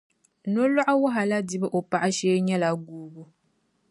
Nolɔɣu wahala dibu o paɣa shee nyɛla guubu.